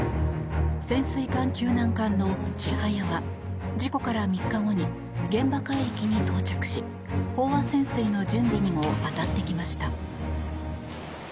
潜水艦救難艦の「ちはや」は事故から３日後に現場海域に到着し飽和潜水の準備にも当たってきました。